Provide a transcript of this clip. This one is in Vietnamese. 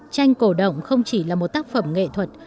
tranh cổ động không chỉ là một tác phẩm nghệ thuật